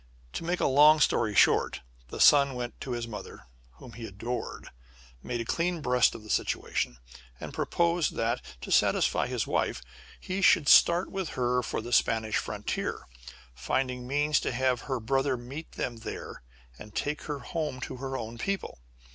To make a long story short, the son went to his mother, whom he adored, made a clean breast of the situation, and proposed that, to satisfy his wife, he should start with her for the Spanish frontier, finding means to have her brother meet them there and take her home to her own people.